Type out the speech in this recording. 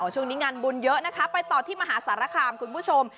ช่วงนี้งานบุญเยอะนะคะไปต่อที่มหาสารคามคุณผู้ชม